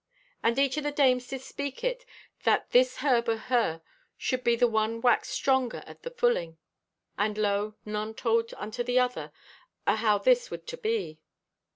And each o' the dames did speak it that this herb o' her should be the one waxed stronger at the fulling. And lo, none told unto the other o' how this would to be.